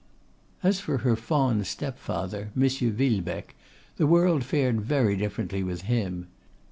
As for her fond step father, M. Villebecque, the world fared very differently with him.